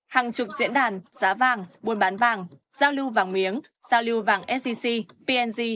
hàng chục diễn đàn giá vàng buôn bán vàng giao lưu vàng miếng giao lưu vàng sec png